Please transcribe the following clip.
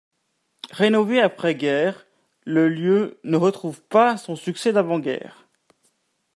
Rénové après guerre, le lieu ne retrouve pas son succès d'avant-guerre.